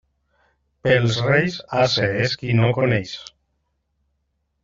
Pels Reis ase és qui no ho coneix.